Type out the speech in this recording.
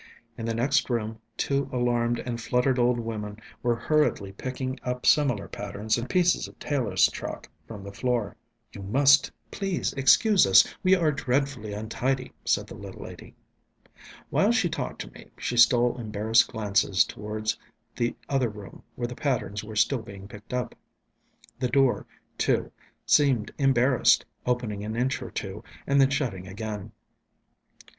In the next room two alarmed and fluttered old women were hurriedly picking up similar patterns and pieces of tailor's chalk from the floor. "You must, please, excuse us; we are dreadfully untidy," said the little lady. While she talked to me, she stole embarrassed glances towards the other room where the patterns were still being picked up. The door, too, seemed embarrassed, opening an inch or two and then shutting again.